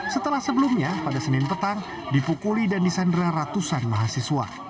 setelah sebelumnya pada senin petang dipukuli dan disandera ratusan mahasiswa